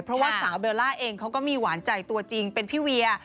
เพราะว่าสาวเบลล่าเองเขาก็มีหวานใจตัวจริงเป็นพี่เวีย